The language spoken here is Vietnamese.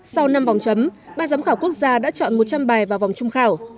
sau năm vòng chấm ba giám khảo quốc gia đã chọn một trăm linh bài vào vòng chung khảo